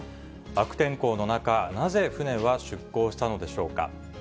悪天候の中、なぜ、船は出港したのでしょうか。